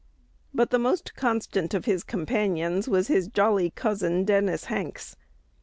But the most constant of his companions was his jolly cousin, Dennis Hanks.